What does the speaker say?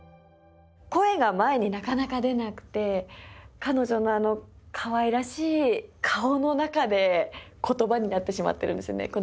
声が前になかなか出なくて彼女のあのかわいらしい顔の中で言葉になってしまってるんですよね。